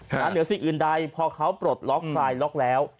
เหนือสิ่งอื่นใดพอเขาปลดล็อกคลายล็อกแล้ว